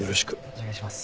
お願いします。